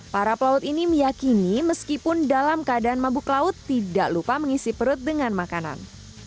para pelaut ini meyakini meskipun dalam keadaan mabuk laut tidak lupa mengisi perut dengan makanan